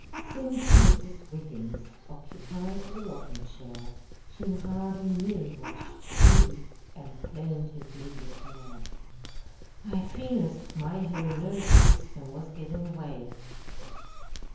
Since Mrs. Wiggins occupied the rocking chair, she hardly knew what to do and plaintively declared, "I feel as if my whole nervous system was giving way."